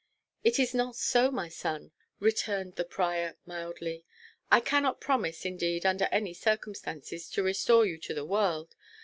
"It is not so, my son," returned the prior mildly. "I cannot promise, indeed, under any circumstances, to restore you to the world.